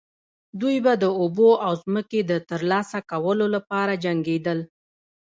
دوی به د اوبو او ځمکې د ترلاسه کولو لپاره جنګیدل.